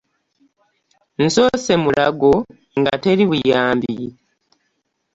Nsoose Mulago nga teri buyambi.